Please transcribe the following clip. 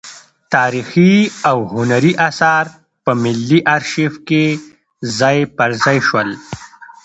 تاریخي او هنري اثار په ملي ارشیف کې ځای پر ځای شول.